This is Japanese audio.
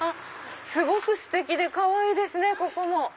すごくステキでかわいいですねここも。